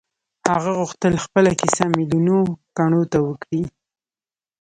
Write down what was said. هغه غوښتل خپله کيسه ميليونو کڼو ته وکړي.